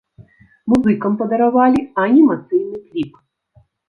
Музыкам падаравалі анімацыйны кліп.